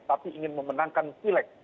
tapi ingin memenangkan filek